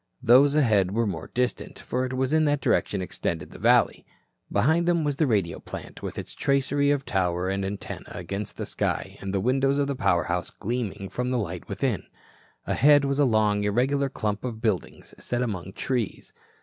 Those ahead were more distant, for it was in that direction extended the valley. Behind them was the radio plant with its tracery of tower and antenna against the sky and the windows of the power house gleaming from the light within. Ahead was a long, irregular clump of buildings set among trees.